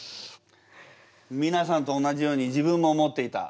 みなさんと同じように自分も思っていた。